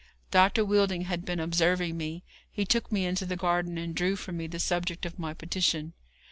Dr. Wheelding had been observing me. He took me into the garden, and drew from me the subject of my petition.